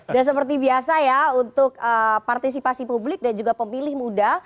dan seperti biasa ya untuk partisipasi publik dan juga pemilih muda